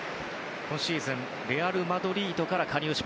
今シーズンレアル・マドリードから加入